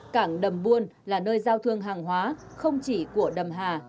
cảng đầm buôn là nơi giao thương hàng hóa không chỉ của đầm hà